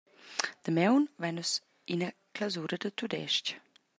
Damaun vein nus ina clausura da tudestg.